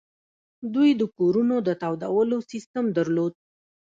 دوی د کورونو د تودولو سیستم درلود